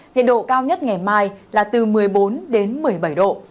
nhiệt độ cao nhất ngày mai là từ một mươi bốn đến một mươi bảy độ